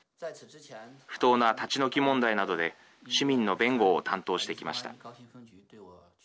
不当な立ち退き問題などで市民の弁護を担当してきました。